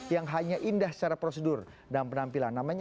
yang hanya indah secara prosedur dan penampilan